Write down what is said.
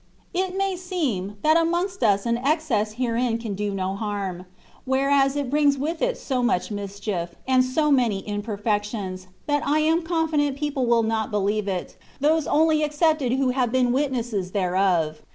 It may seem, that amongst us an excess herein I J 18 THE WAY OF PERFECTION. can do no harm ; whereas it brings with it so much mischief, and so many imperfections, that I am confident people will not believe it, those only excepted who have been witnesses thereof.